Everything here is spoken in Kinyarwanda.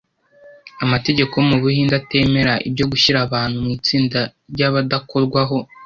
amategeko yo mu Buhindi atemera ibyo gushyira abantu mu itsinda ry’Abadakorwaho